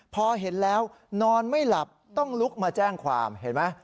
พอเห็นแล้วนอนไม่หลับต้องลุกมาแจ้งความเห็นไหม